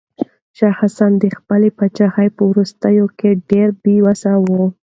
شاه حسين د خپلې پاچاهۍ په وروستيو کې ډېر بې وسه و.